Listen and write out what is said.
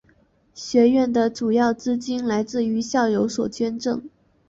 学院的主要资金来自于校友所捐赠。